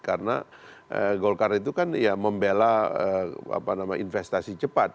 karena golkar itu kan ya membela investasi cepat